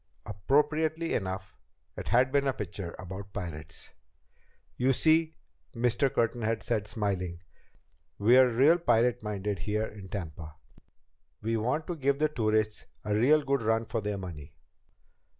Appropriately enough, it had been a picture about pirates. "You see," Mr. Curtin had said, smiling, "we're real pirate minded here in Tampa. We want to give the tourists a real good run for their money."